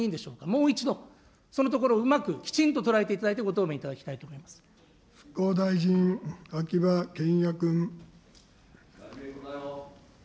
もう一度、そのところをうまくきちんと捉えていただいて、ご答弁復興大臣、秋葉賢也君。